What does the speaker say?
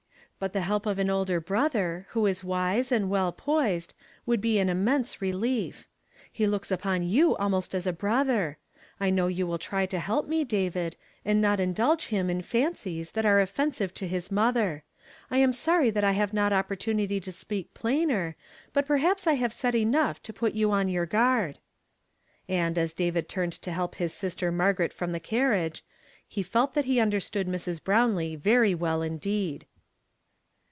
But the help of an older brother, who is wise and well poised, would be an immense relief. He looks upon you almost as a brother. I know you will try to help me, David, and not indulge him in fancies that are offensive to his mother. I am sorry that I have not opportunity to speak plainer, but perhaps I have said enough to put you on your guard." And, as David turned to help his sister Margaret from the carriage, he felt that he under stood Mi s. Brownlee very well indeed.